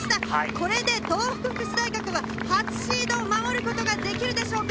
これで東北福祉大学は初シードを守ることができるでしょうか？